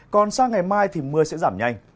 còn sang ngày mai thì mưa sẽ giảm nhanh